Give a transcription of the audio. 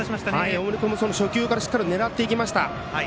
大森君も初球から狙っていきました。